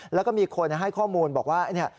แล้วก็มีคนให้ข้อมูลบอกว่าเนี่ย